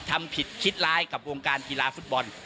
ทำผิดคิดร้ายกับวงการกีฬาฟุตบอล